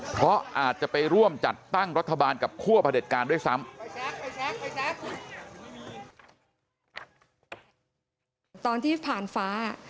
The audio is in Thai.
เพราะอาจจะไปร่วมจัดตั้งรัฐบาลกับคั่วพระเด็จการด้วยซ้ำ